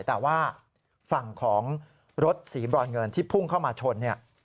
แต่ว่าฝั่งของรถสีบรอนเงินที่พุ่งเข้ามาชนเนี่ย